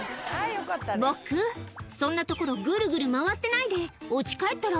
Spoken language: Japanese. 僕、そんな所、ぐるぐる回ってないで、おうち帰ったら？